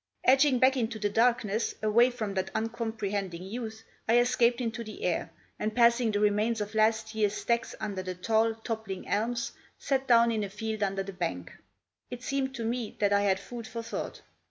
Edging back into the darkness, away from that uncomprehending youth, I escaped into the air, and passing the remains of last year's stacks under the tall, toppling elms, sat down in a field under the bank. It seemed to me that I had food for thought.